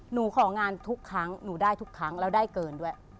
หนูของานทุกครั้งหนูได้ทุกครั้งแล้วได้เกินด้วย